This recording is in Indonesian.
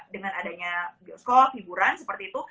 dengan adanya bioskop hiburan seperti itu